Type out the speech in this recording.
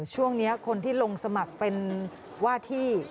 ช่วงนี้คนที่ลงสมัครเป็นว่าที่